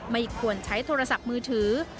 ไม่ควรใช้โทรศัพท์มือถือ